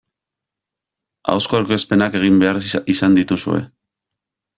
Ahozko aurkezpenak egin behar izan dituzue.